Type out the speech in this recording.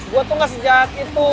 gua tuh ga sejahat itu